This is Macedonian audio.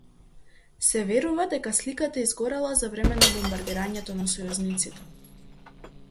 Се верува дека сликата изгорела за време на бомбардирањето на сојузниците.